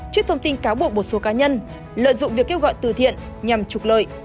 trước thông tin cáo buộc một số cá nhân lợi dụng việc kêu gọi từ thiện nhằm trục lợi